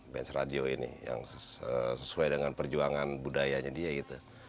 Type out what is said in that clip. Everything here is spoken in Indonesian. bench radio ini yang sesuai dengan perjuangan budayanya dia gitu